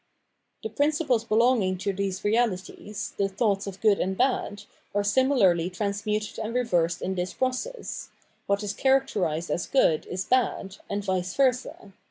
The principles belonging to these realities, the thoughts of good and bad, are similarly transmuted and reversed in this process; what is characterised as good is bad, and vice versa.